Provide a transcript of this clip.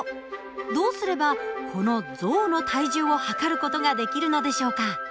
どうすればこの象の体重を量る事ができるのでしょうか？